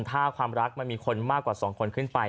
ถ้าความรักมันมีคนมากกว่า๒คนขึ้นไป